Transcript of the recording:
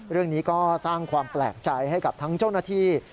เรื่องนี้ก็สร้างความแปลกใจให้กับทั้งเจ้าหน้าที่